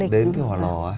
đến cái hòa lò